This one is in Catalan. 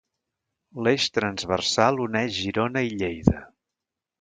L'eix transversal uneix Girona i Lleida.